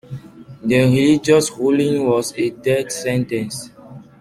The religious ruling was a death sentence.